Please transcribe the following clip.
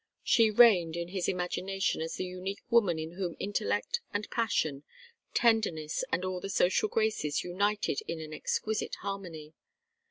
She reigned in his imagination as the unique woman in whom intellect and passion, tenderness and all the social graces united in an exquisite harmony.